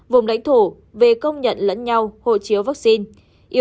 vùng đánh thủ về công nhận lẫn nhau hộ chiếu vaccine